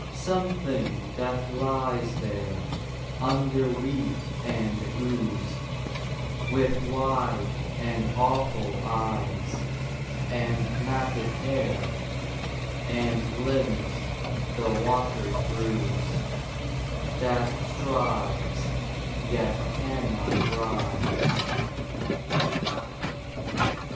Something that lies there under weed and ooze, With wide and awful eyes And matted hair, and limbs the waters bruise, That strives yet can not rise.